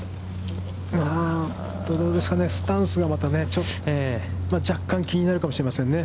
どうですかね、スタンスがまたね、若干気になるかもしれませんね。